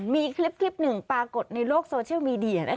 มีคลิปหนึ่งปรากฏในโลกโซเชียลมีเดีย